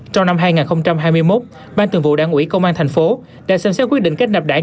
trong năm hai nghìn hai mươi một ban tường vụ đảng ủy công an tp hcm đã xem xét quyết định cách nạp đảng